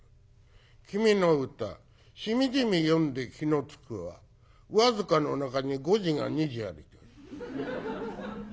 「君の歌しみじみ読んで気のつくは僅かの中に誤字が２字あり」って。